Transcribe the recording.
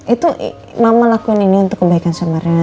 itu mama lakuin ini untuk kebaikan sama ren